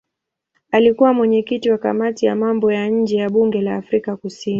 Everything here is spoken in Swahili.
Alikuwa mwenyekiti wa kamati ya mambo ya nje ya bunge la Afrika Kusini.